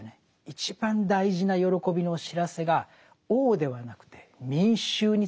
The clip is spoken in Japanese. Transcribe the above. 一番大事な喜びの知らせが王ではなくて民衆に告げられた。